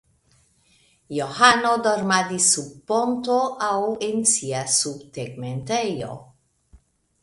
Johano dormadis sub ponto aŭ en sia subtegmentejo.